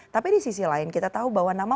tapi di sisi lain kita tahu bahwa nama